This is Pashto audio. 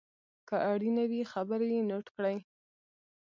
که اړینه وي خبرې یې نوټ کړئ.